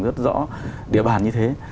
rất rõ địa bàn như thế